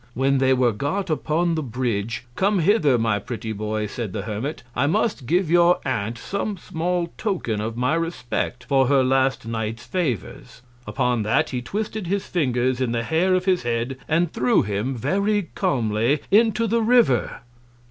When they were got upon the Bridge; come hither, my pretty Boy, said the Hermit, I must give your Aunt some small Token of my Respect for her last Night's Favours. Upon that, he twisted his Fingers in the Hair of his Head, and threw him, very calmly, into the River.